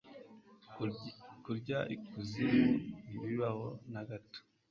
Kurya ikuzimu ntibibaho nagato